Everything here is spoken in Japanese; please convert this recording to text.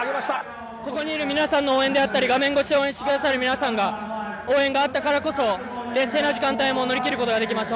ここにいる皆さんの応援であったり、画面越しで応援してくださる皆さんが、応援があったからこそ、劣勢な時間帯も乗り切ることができました、